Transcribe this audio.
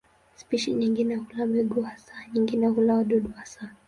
Spishi nyingine hula mbegu hasa, nyingine hula wadudu hasa.